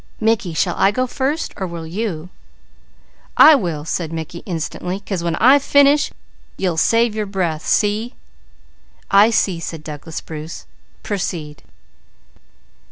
"Mickey, shall I go first, or will you?" "I will," replied Mickey instantly, "'cause when I finish you'll save your breath. See?" "I see," said Douglas Bruce. "Proceed."